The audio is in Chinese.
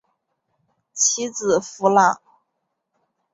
其子苻朗。